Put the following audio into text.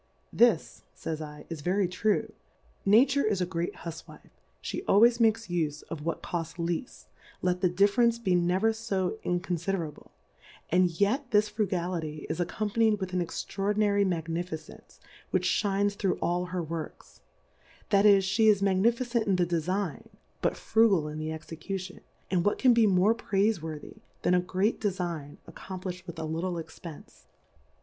This, fays /, is very true, Nature is a great Hufwife, ihe always makes ufeof what cofts lea ft, let the Difference be never fo inconfide rable ; and yet this Frugality is accony panyM with an extraordinary Magni ficence, which fhines through all her Works; that is, flie is Magnificent in the Defign, but Frugal in the Execution ; and what can be more Praife worthy, than a great Defign accomplifii'd with a little Expence